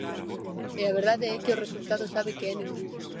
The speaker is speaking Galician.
E a verdade é que o resultado sabe que é ningún.